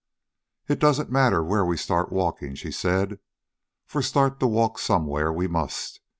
"It doesn't matter where we start walking," she said, "for start to walk somewhere we must.